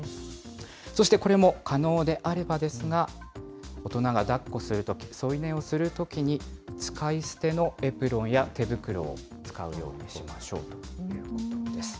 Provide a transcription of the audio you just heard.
そして、これも可能であればですが、大人がだっこするとき、添い寝をするときに使い捨てのエプロンや手袋を使うようにしましょうということです。